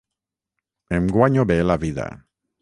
Em guanyo bé la vida.